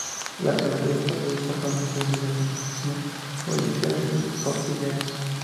La cabeza de partido y por tanto sede de las instituciones judiciales es Ortigueira.